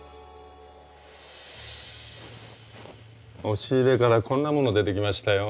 押し入れからこんなもの出てきましたよ。